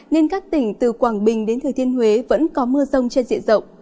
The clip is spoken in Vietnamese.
nên các tỉnh từ quảng bình đến thừa thiên huế vẫn có mưa rông trên diện rộng